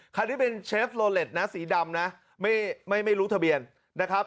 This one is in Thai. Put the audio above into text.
คันนี้เป็นเชฟโลเล็ตนะสีดำนะไม่รู้ทะเบียนนะครับ